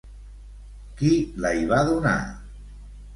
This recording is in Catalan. Qui la hi va donar?